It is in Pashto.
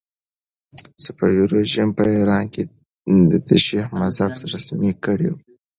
صفوي رژیم په ایران کې تشیع مذهب رسمي کړی و.